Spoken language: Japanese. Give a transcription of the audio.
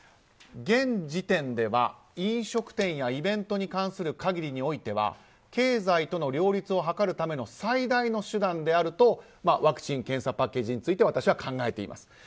現時点では飲食店やイベントに関する限りにおいては経済との両立を図るための最大の手段であるとワクチン・検査パッケージについて私は考えています。